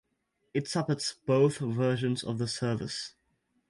It supports both versions of the service